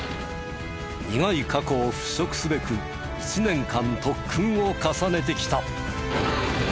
苦い過去を払拭すべく１年間特訓を重ねてきた。